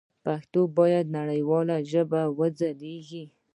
پښتو باید د نړۍ په ژبو کې وځلېږي.